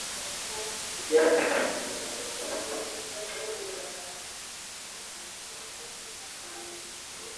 Las canciones continúan la historia comenzada en The Metal Opera, con los mismos personajes.